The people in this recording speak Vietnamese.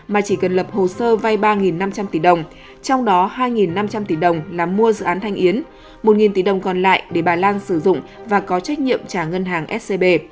mà chỉ cần lập hồ sơ vay ba năm trăm linh tỷ đồng trong đó hai năm trăm linh tỷ đồng là mua dự án thanh yến một tỷ đồng còn lại để bà lan sử dụng và có trách nhiệm trả ngân hàng scb